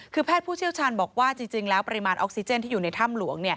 คือแพทย์ผู้เชี่ยวชาญบอกว่าจริงแล้วปริมาณออกซิเจนที่อยู่ในถ้ำหลวง